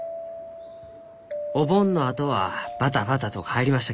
お盆のあとはバタバタと帰りました